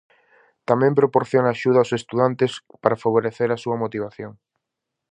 Tamén proporciona axuda aos estudantes para favorecer a súa motivación.